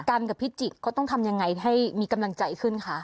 กันกับพิจิกเขาต้องทำยังไงให้มีกำลังใจขึ้นคะ